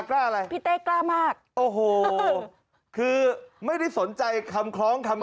กล้าอะไรพี่เต้กล้ามากโอ้โหคือไม่ได้สนใจคำคล้องคำ